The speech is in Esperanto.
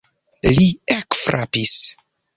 Li ekfrapis.